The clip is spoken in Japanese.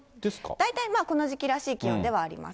大体この時期らしい気温ではあります。